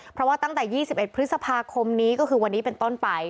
เพราะว่าตั้งแต่๒๑พฤษภาคมนี้ก็คือวันนี้เป็นต้นไป